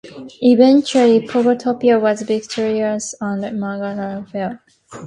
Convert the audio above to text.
Eventually, Pogtopia was victorious, and Manberg fell.